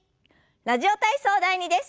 「ラジオ体操第２」です。